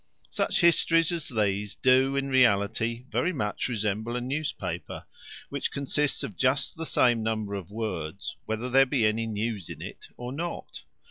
Such histories as these do, in reality, very much resemble a newspaper, which consists of just the same number of words, whether there be any news in it or not.